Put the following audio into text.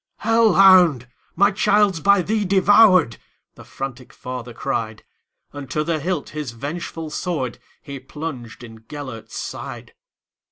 "Hell hound! my child 's by thee devoured,"The frantic father cried; And to the hilt his vengeful swordHe plunged in Gêlert's side.